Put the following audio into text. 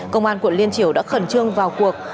công an quận liên triều đã khẩn trương vào cuộc